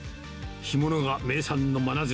干物が名産の真鶴。